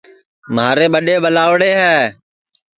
مھارے ٻڈؔے ٻلاؤڑے ہے